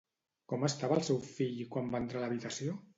Com estava el seu fill quan va entrar a l'habitació?